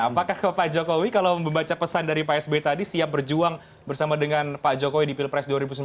apakah ke pak jokowi kalau membaca pesan dari pak sby tadi siap berjuang bersama dengan pak jokowi di pilpres dua ribu sembilan belas